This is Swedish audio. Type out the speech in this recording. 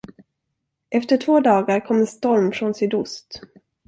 Efter två dagar kom en storm från sydost.